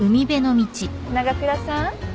長倉さん。